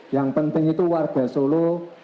yang penting itu warga solo